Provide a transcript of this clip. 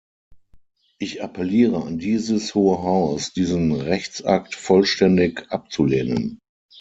Ich appelliere an dieses Hohe Haus, diesen Rechtsakt vollständig abzulehnen.